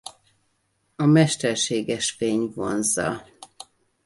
A mesterséges fény vonzza.